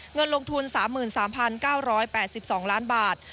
เงินลงทุน๓๓๙๘๒ล้านบาท